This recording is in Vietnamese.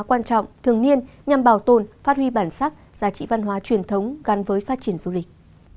quan trọng thường niên nhằm bảo tồn phát huy bản sắc giá trị văn hóa truyền thống gắn với phát triển du lịch